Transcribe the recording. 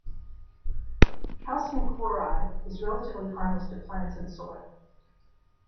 Calcium chloride is relatively harmless to plants and soil.